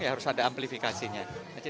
ya harus ada amplifikasinya